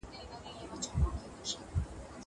زه پرون د کتابتون د کار مرسته وکړه!